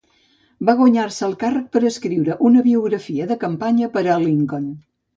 Va guanyar-se el càrrec per escriure una biografia de campanya per a Lincoln.